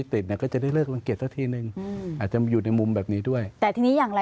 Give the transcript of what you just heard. แต่ก็ต้องคบคุณเขาล่ะ